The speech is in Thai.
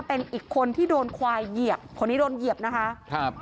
เป็นอีกคนที่โดนควายเหยียบคนนี้โดนเหยียบนะคะครับ